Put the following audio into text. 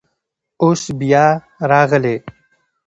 اوس بیا راغلی.